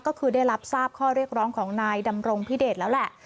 ก็คือได้รับทราบข้อเรียกร้องของนายดำรงพิเดชแล้วแหละ